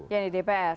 yang di dpr